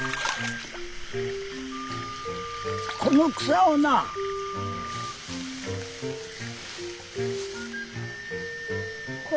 この草をな。これ？